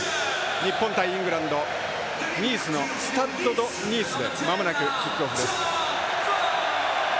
日本対イングランドニースのスタッド・ド・ニースでまもなくキックオフです。